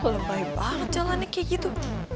lebay banget jalannya kayak gitu